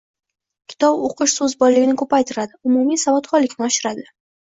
Kitob o‘qish so‘z boyligini ko‘paytiradi, umumiy savodxonlikni oshiradi.